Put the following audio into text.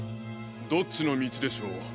どっちのみちでしょう？